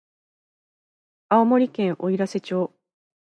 青森県おいらせ町